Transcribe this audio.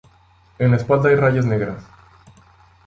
En la espalda hay rayas negras.